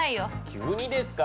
急にですか？